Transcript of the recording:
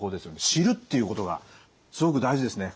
知るっていうことがすごく大事ですね